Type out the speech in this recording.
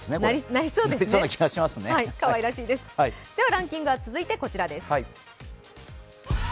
なりそうですね、ランキングは続いてこちらです。